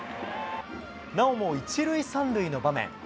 なおも１塁３塁の場面。